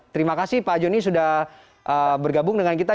terima kasih pak joni sudah bergabung dengan kita